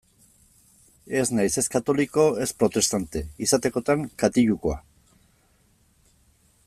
Ez naiz ez katoliko ez protestante; izatekotan katilukoa.